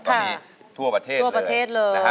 ตอนนี้ทั่วประเทศเลย